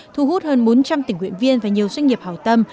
thu hút hơn bốn trăm linh tỉnh nguyện viên và nhiều doanh nghiệp hào tâm